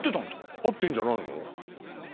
合ってんじゃないの？